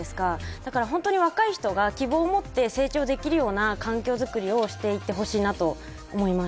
だから本当に若い人が希望を持って成長できるような環境づくりをしていってほしいと思います。